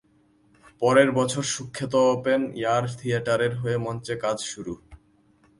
পরের বছর সুখ্যাত ওপেন এয়ার থিয়েটারের হয়ে মঞ্চে কাজ করা শুরু।